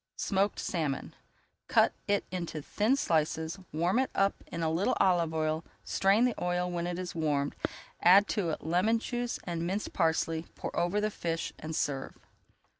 SMOKED SALMON Cut it into thin slices, warm it up in a little olive oil, strain the oil when it is warmed, add to it lemon juice and minced parsley, pour over the fish, and serve.